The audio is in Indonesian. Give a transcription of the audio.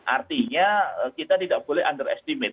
artinya kita tidak boleh underestimate